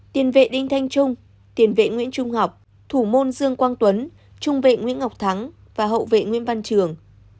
tiền vệ đinh thanh trung tiền vệ nguyễn trung học thủ môn dương quang tuấn trung vệ nguyễn ngọc thắng và hậu vệ nguyễn văn trường